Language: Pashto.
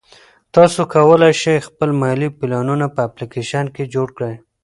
تاسو کولای شئ خپل مالي پلانونه په اپلیکیشن کې جوړ کړئ.